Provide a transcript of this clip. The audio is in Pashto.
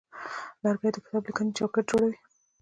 لرګی د کتابلیکنې چوکاټ جوړوي.